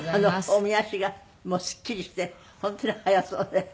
おみ足がすっきりして本当に速そうですね。